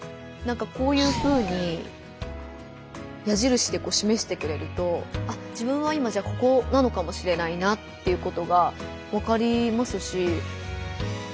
こういうふうに矢じるしでしめしてくれるとあっ自分は今じゃあここなのかもしれないなということがわかりますし。